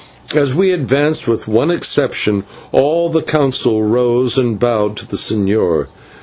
As we advanced, with one exception, all the Council rose and bowed to the señor.